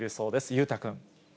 裕太君。